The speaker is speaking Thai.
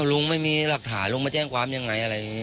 ลุงไม่มีหลักฐานลุงมาแจ้งความอย่างไร